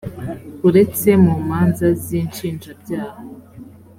uretse mu manza z’inshinjabyaha